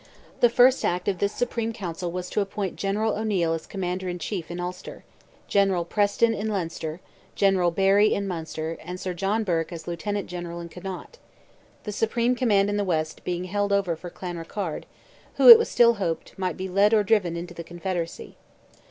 The first act of this Supreme Council was to appoint General O'Neil as Commander in Chief in Ulster; General Preston, in Leinster; General Barry, in Munster; and Sir John Burke as Lieutenant General in Connaught; the supreme command in the West being held over for Clanrickarde, who, it was still hoped, might be led or driven into the Confederacy.